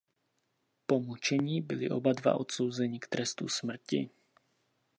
Po mučení byli oba odsouzeni k trestu smrti.